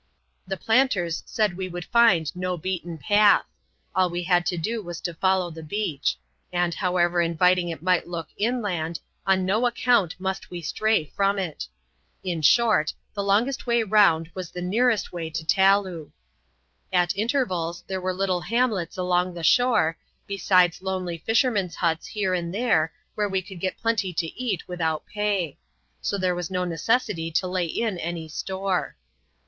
The planters said we would find no beaten patb :— all we had to do was to follow the beach; and however inviting it might look inland, on no account must we stray from it In short, the longest way round was the nearest way to Taloo. At intervals, there were little laaxQ\fc\a ^Gti%\Ss& ihiare^ besides GBAP. UCTX.] HOW WE WERE TO GET TO TALOO. SM lonely fishermen's huts .here and there, where we could get plenty to eat without pay; so there was no necessity to lay in any store.